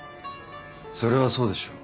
それはそうでしょう。